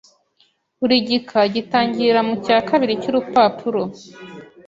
Buri gika gitangirira mu cya kabiri cy’urupapuro